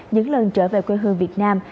những lần trở về quê hương việt nam